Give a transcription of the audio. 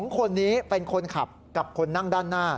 ๒คนนี้เป็นคนขับกับคนนั่งด้านหน้า